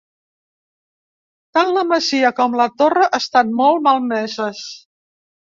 Tant la masia com la torre estan molt malmeses.